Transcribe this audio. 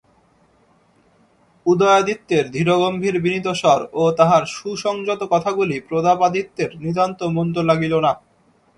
উদয়াদিত্যের ধীর গম্ভীর বিনীত স্বর ও তাঁহার সুসংযত কথাগুলি প্রতাপাদিত্যের নিতান্ত মন্দ লাগিল না।